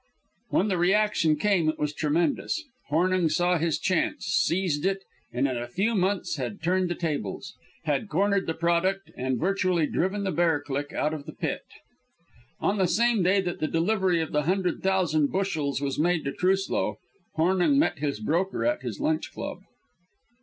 When the reaction came it was tremendous. Hornung saw his chance, seized it, and in a few months had turned the tables, had cornered the product, and virtually driven the bear clique out of the pit. On the same day that the delivery of the hundred thousand bushels was made to Truslow, Hornung met his broker at his lunch club.